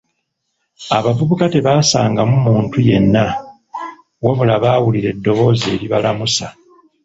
Abavubuka tebaasangamu muntu yenna, wabula baawulira eddoboozi eribalamusa.